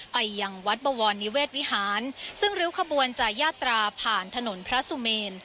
ไปยังวัดบวรนิเวศวิหารซึ่งริ้วขบวนจะยาตราผ่านถนนพระสุเมน